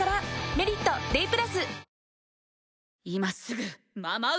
「メリットＤＡＹ＋」